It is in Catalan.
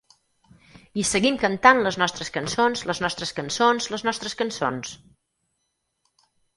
I seguim cantant les nostres cançons, les nostres cançons, les nostres cançons!